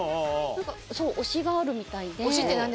そう推しがあるみたいで。